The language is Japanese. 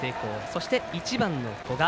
そして、１番の古賀。